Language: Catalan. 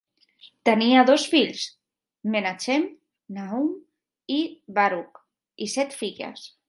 Tenia dos fills, Menachem Nahum i Baruch, i set filles.